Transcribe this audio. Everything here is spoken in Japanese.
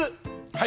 はい。